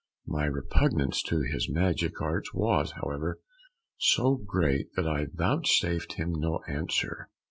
My repugnance to his magic arts was, however, so great, that I vouchsafed him no answer.